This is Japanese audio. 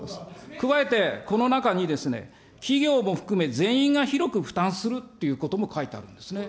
加えてこの中に、企業も含め全員が広く負担するということも書いてあるんですね。